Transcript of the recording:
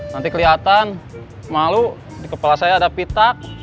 nanti kelihatan malu dikepala saya ada pitak